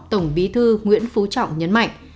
tổng bí thư nguyễn phú trọng nhấn mạnh